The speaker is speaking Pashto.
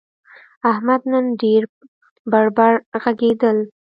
احمد نن ډېر بړ بړ ږغېدل.